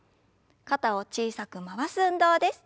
肩を小さく回す運動です。